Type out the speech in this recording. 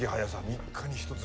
３日に一つ。